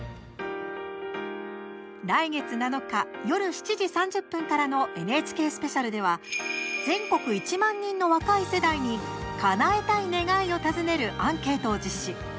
来月７日、夜７時３０分からの「ＮＨＫスペシャル」では全国１万人の若い世代にかなえたい願いを尋ねるアンケートを実施。